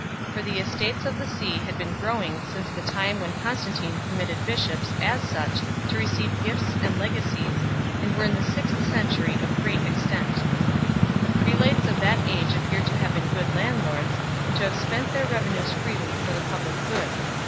For the estates of the see had been growing since the time when Constantine permitted bishops, as such, to receive gifts and legacies, and were in the sixth century of great extent 2 . The prelates of that age appear to have been good landlords, and to have spent their revenues freely for the public good.